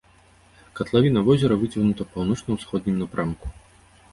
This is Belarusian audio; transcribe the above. Катлавіна возера выцягнута ў паўночна-ўсходнім напрамку.